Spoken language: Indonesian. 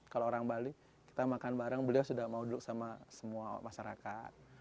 kalau orang bali kita makan bareng beliau sudah mau duduk sama semua masyarakat